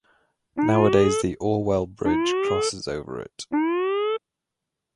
Nowadays the Orwell Bridge crosses over it.